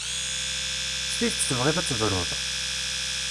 S tidet tebɣiḍ ad tebruḍ?